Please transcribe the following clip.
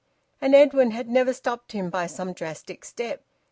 And Edwin had never stopped him by some drastic step.